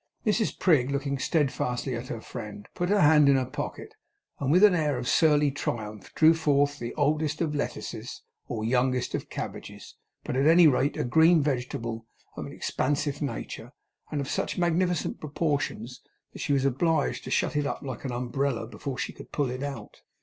Mrs Prig, looking steadfastly at her friend, put her hand in her pocket, and with an air of surly triumph drew forth either the oldest of lettuces or youngest of cabbages, but at any rate, a green vegetable of an expansive nature, and of such magnificent proportions that she was obliged to shut it up like an umbrella before she could pull it out.